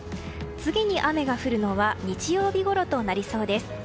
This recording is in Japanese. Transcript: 次に雨が降るのは日曜日ごろとなりそうです。